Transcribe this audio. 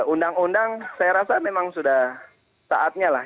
undang undang saya rasa memang sudah saatnya lah